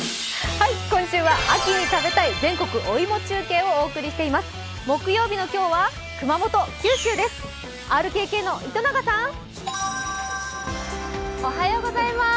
今週は秋に食べたい全国お芋中継をお送りしています。